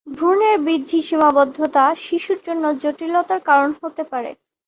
ভ্রূণের বৃদ্ধি সীমাবদ্ধতা, শিশুর জন্য জটিলতার কারণ হতে পারে।